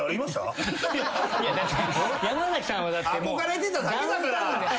憧れてただけだから。